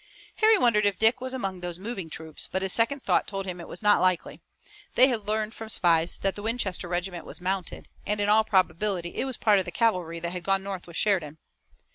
Harry wondered if Dick was among those moving troops, but his second thought told him it was not likely. They had learned from spies that the Winchester regiment was mounted, and in all probability it was part of the cavalry that had gone north with Sheridan.